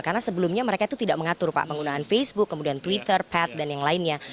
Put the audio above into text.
karena sebelumnya mereka itu tidak mengatur pak penggunaan facebook kemudian twitter pad dan yang lainnya